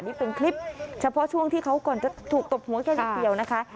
นี่เป็นคลิปเฉพาะช่วงที่เขาก่อนจะถูกตบหัวแค่นิดเดียวนะคะ